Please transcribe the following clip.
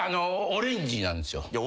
オレンジなんすか？